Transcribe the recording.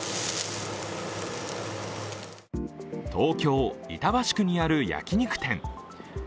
東京・板橋区にある焼き肉店。